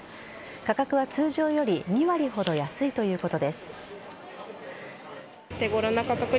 価格は通常より２割ほど安いということです。